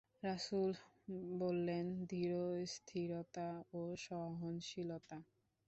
রাসূল বললেন, ধীরস্থিরতা ও সহনশীলতা।